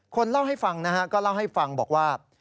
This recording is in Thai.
คนเล่าให้ฟังนะฮะก็เล่าให้ฟังบอกว่า